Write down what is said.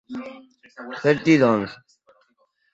certidões